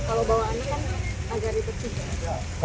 kalau bawaannya kan agak ribet juga